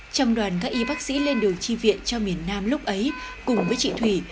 trong đoàn các y bác sĩ lên đường chi viện cho miền nam lúc ấy cùng với chị thủy